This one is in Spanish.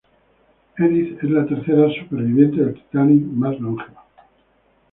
Edith es la tercera sobreviviente del Titanic más longeva.